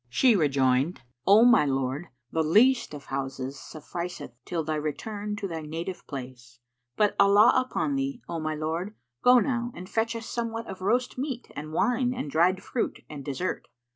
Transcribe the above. She rejoined, "O my lord, the least of houses sufficeth till thy return to thy native place; but, Allah upon thee, O my lord, go now and fetch us somewhat of roast meat and wine and dried fruit and dessert."